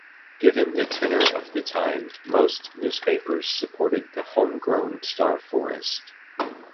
Given the tenor of the time, most newspapers supported the "home-grown" star Forrest.